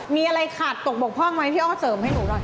มีอะไรขาดตกบกพ่องไหมพี่อ้อเสริมให้หนูหน่อย